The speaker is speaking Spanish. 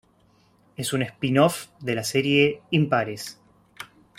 Es un spin-off de la serie "Impares".